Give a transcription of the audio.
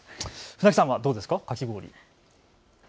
船木さんはどうですか、かき氷。